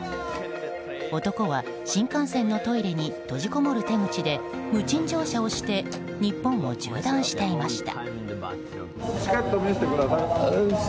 男は新幹線のトイレに閉じこもる手口で無賃乗車をして日本を縦断していました。